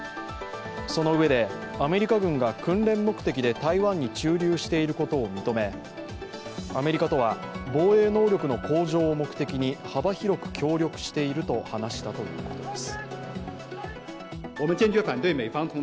そのうえで、アメリカ軍が訓練目的で台湾に駐留していることを認めアメリカとは防衛能力の向上を目的に幅広く協力していると話したということです。